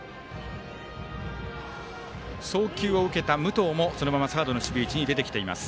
送球を受けた武藤もそのままサードの守備位置に出てきています。